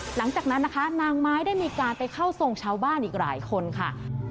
หลังจากนั้นนะคะนางไม้ได้มีการไปเข้าทรงชาวบ้านอีกหลายคนค่ะ